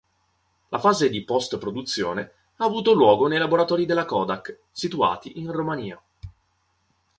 La fase di post-produzione ha avuto luogo nei laboratori della Kodak situati in Romania.